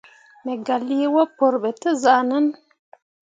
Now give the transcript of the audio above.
Me gah lii wapǝǝre ɓe te zah nen.